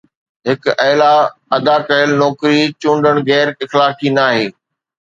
هڪ اعلي ادا ڪيل نوڪري چونڊڻ غير اخلاقي ناهي